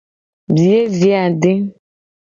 Biye je ade.